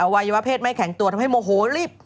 วัยวะเพศไม่แข็งตัวทำให้โมโหรีบ